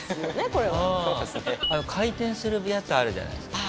回転するやつあるじゃないですか。